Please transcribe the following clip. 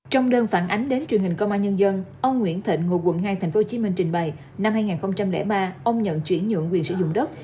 trong đơn phản ánh đến truyền hình công an nhân dân ông nguyễn thịnh ngụ quận hai tp hcm trình bày năm hai nghìn ba ông nhận chuyển nhượng quyền sử dụng đất